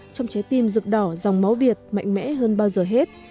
trong trái tim rực đỏ dòng máu việt mạnh mẽ hơn bao giờ hết